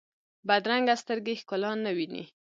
بدرنګه سترګې ښکلا نه ویني